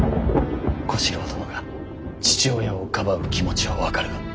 小四郎殿が父親をかばう気持ちは分かるが。